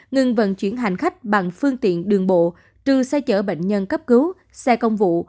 ngừng vận chuyển hành khách bằng phương tiện đường bộ trừ xe chở bệnh nhân cấp cứu xe công vụ